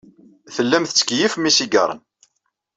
Tellam tettkeyyifem isigaṛen.